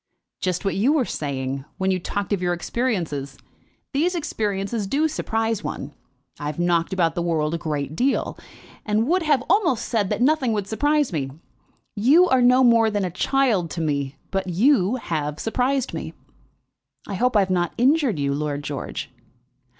"Just what you were saying, when you talked of your experiences. These experiences do surprise one. I have knocked about the world a great deal, and would have almost said that nothing would surprise me. You are no more than a child to me, but you have surprised me." "I hope I have not injured you, Lord George."